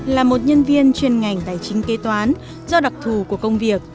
là một nhân viên chuyên ngành tài chính kế toán do đặc thù của công việc